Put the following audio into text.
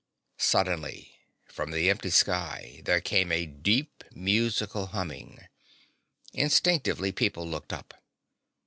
Suddenly, from the empty sky, there came a deep, musical humming. Instinctively people looked up.